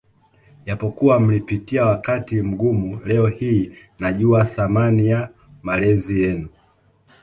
Japokuwa mlipitia wakati mgumu leo hii najua thamani ya malezi yenu